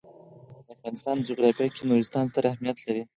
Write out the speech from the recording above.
د افغانستان جغرافیه کې نورستان ستر اهمیت لري.